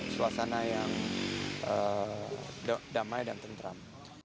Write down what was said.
suasana yang damai dan tentram